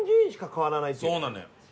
そうなのよ。